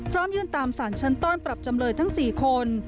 พร้อมยื่นตามสารชั้นต้อนปรับจำเลยทั้ง๔คน